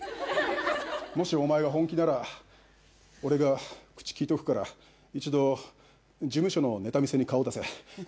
もしお前が本気なら俺が口利いておくから一度事務所のネタ見せに顔出せ。